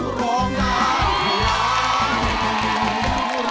ร้องได้ให้ล้าน